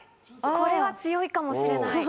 これは強いかもしれない。